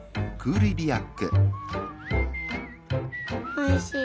おいしい。